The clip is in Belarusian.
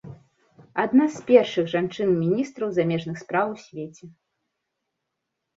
Адна з першых жанчын міністраў замежных спраў у свеце.